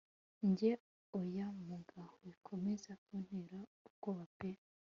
Njye oya muga wikomeza kuntera ubwoba pe